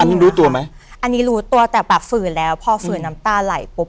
อันนี้รู้ตัวไหมอันนี้รู้ตัวแต่แบบฝืนแล้วพอฝืนน้ำตาไหลปุ๊บ